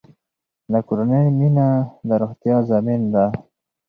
د کورنۍ مینه د روغتیا ضامن ده.